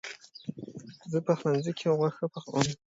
زه پخلنځي کې غوښه پخوم.